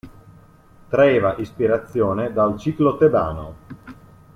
Traeva ispirazione dal ciclo tebano.